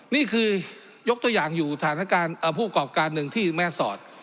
นี่คือยกตัวอย่างอยู่สถานการณ์ผู้กรอบการหนึ่งที่แม่สอด